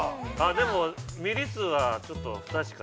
でも、ミリ数はちょっと、不確か。